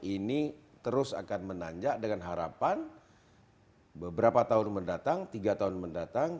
ini terus akan menanjak dengan harapan beberapa tahun mendatang tiga tahun mendatang